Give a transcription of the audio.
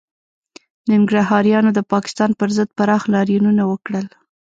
ننګرهاریانو د پاکستان پر ضد پراخ لاریونونه وکړل